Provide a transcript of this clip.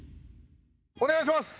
お願いします！